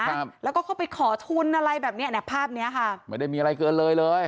ครับแล้วก็เข้าไปขอทุนอะไรแบบเนี้ยเนี้ยภาพเนี้ยค่ะไม่ได้มีอะไรเกินเลยเลย